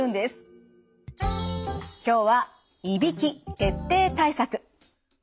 今日はいびき徹底対策。